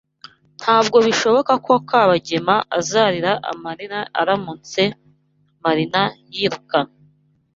Ntabwo bishoboka ko Kabagema azarira amarira aramutse Marina yirukanwe.